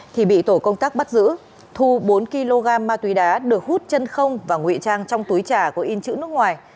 thì bị tổ công tác bắt giữ thu bốn kg ma túy đá được hút chân không và nguy trang trong túi trà có in chữ nước ngoài